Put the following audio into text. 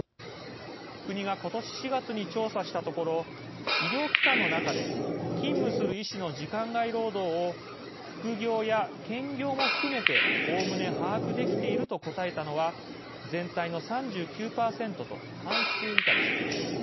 国が今年４月に調査したところ医療機関の中で勤務する医師の時間外労働を副業や兼業も含めておおむね把握できていると答えたのは全体の３９％と半数以下でした。